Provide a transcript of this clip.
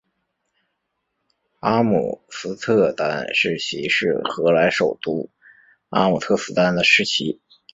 阿姆斯特丹市旗是荷兰首都阿姆斯特丹的市旗。